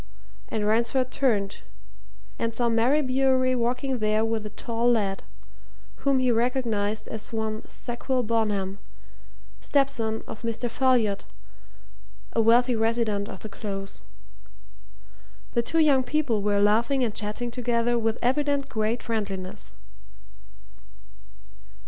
And Ransford turned and saw Mary Bewery walking there with a tall lad, whom he recognized as one Sackville Bonham, stepson of Mr. Folliot, a wealthy resident of the Close. The two young people were laughing and chatting together with evident great friendliness.